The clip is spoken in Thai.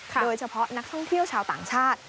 โดยเฉพาะนักท่องเที่ยวชาวต่างชาติ